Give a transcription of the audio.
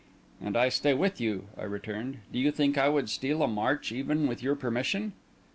"And I stay with you," I returned. "Do you think I would steal a march, even with your permission?"